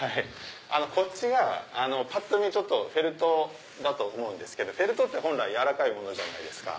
こっちがぱっと見フェルトだと思うんですけどフェルトって本来柔らかいものじゃないですか。